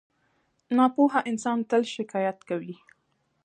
• ناپوهه انسان تل شکایت کوي.